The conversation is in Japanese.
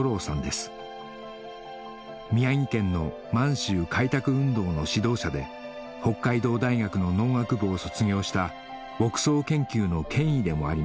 宮城県の満州開拓運動の指導者で北海道大学の農学部を卒業した牧草研究の権威でもありました